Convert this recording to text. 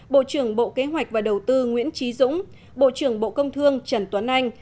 bộ trưởng bộ kế hoạch và đầu tư nguyễn trí dũng bộ trưởng bộ công thương trần tuấn anh